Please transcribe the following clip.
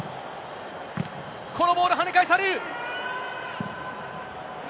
このボール、跳ね返される。